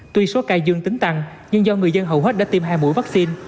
tuy số ca dương tính tăng nhưng do người dân hầu hết đã tiêm hai mũi vaccine